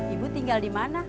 ibu tinggal di mana